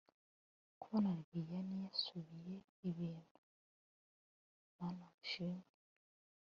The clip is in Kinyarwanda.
kubona lilian yasubiye ibuntu, mana ushimwe!!